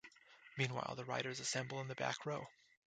Meanwhile the riders assemble in the Back Row.